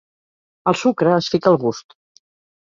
El sucre es fica al gust.